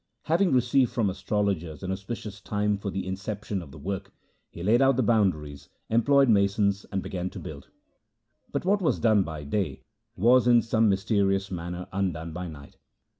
Having received from astrologers an auspicious time for the inception of the work, he laid out the boundaries, employed masons, and began to build ; but what was done by day was in some mysterious manner undone by night.